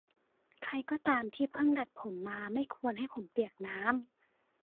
ใครก็ตามที่เพิ่งดัดผมมาไม่ควรให้ผมเปียกน้ำ